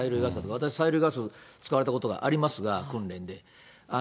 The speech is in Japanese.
私、催涙ガス、使われたことありますが、訓練で。